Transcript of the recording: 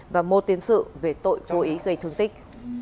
và một tiền sự về tội vô ý gây thương tích